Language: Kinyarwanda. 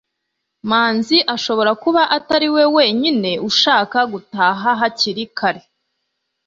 manzi ashobora kuba atari we wenyine ushaka gutaha hakiri kare